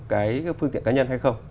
cái phương tiện cá nhân hay không